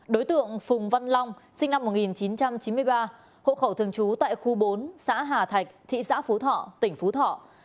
đối tượng phùng văn long sinh năm một nghìn chín trăm chín mươi ba hộ khẩu thường trú tại khu bốn xã hà thạch thị xã phú thọ tỉnh phú thọ